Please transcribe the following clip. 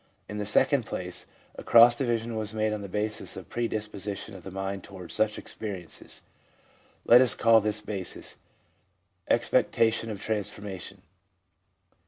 ... In the second place, a cross division was made on the basis of pre disposition of the mind towards such experiences. Let us call this basis "expectation of transformation."